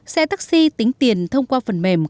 xe taxi tính tiền thông qua phần mềm